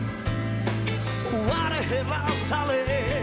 「追われ減らされ」